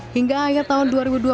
hingga akhir tahun dua ribu dua puluh